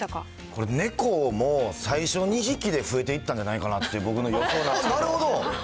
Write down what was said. これ、猫も最初２匹で増えていったんじゃないかなって、僕の予想なんですけど。